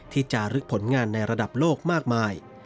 จารึกผลงานในระดับโลกมากมาย